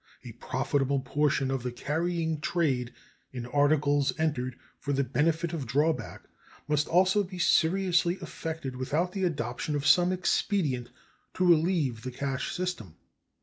A profitable portion of the carrying trade in articles entered for the benefit of drawback must also be most seriously affected without the adoption of some expedient to relieve the cash system.